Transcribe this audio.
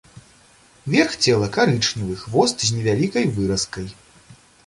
Верх цела карычневы, хвост з невялікай выразкай.